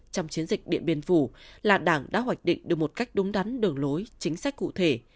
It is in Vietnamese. trong chiến dịch điện biên phủ là đảng đã hoạch định được một cách đúng đắn đường lối chính sách cụ thể